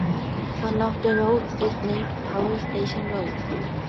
One of the roads is named Power Station Road.